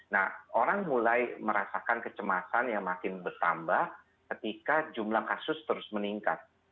nah orang mulai merasakan kecemasan yang makin bertambah ketika jumlah kasus terus meningkat